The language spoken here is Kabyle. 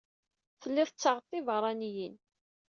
Telliḍ tettaɣeḍ tibeṛṛaniyin.